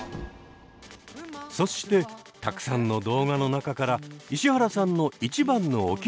そしてたくさんの動画の中から石原さんの一番のおきにいりは？